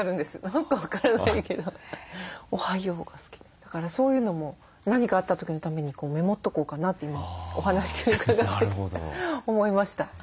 だからそういうのも何かあった時のためにメモっとこうかなって今お話伺って思いました。